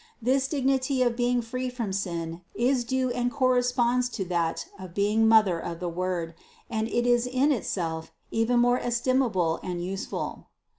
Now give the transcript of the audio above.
This dignity of being free from sin is due and corresponds to that of being Mother of the Word, and it is in itself even more estimable and useful.